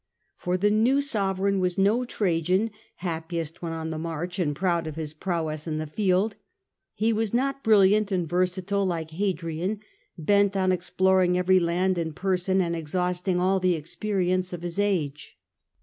For the new sove reign was no Trajan, happiest when on the march and proud of his prowess in the field ; he was not bril liant and versatile like Hadrian, bent on exploring every land in person and exhausting all the experience of his age.